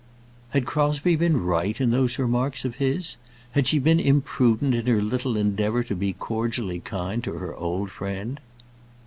Had Crosbie been right in those remarks of his? Had she been imprudent in her little endeavour to be cordially kind to her old friend?